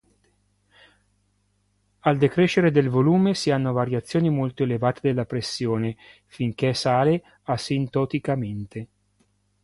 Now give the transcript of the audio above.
Al decrescere del volume, si hanno variazioni molto elevate della pressione, finché sale asintoticamente.